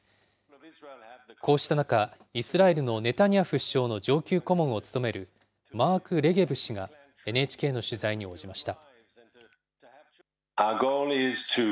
こうした中、イスラエルのネタニヤフ首相の上級顧問を務めるマーク・レゲブ氏がＮＨＫの取材に応じました。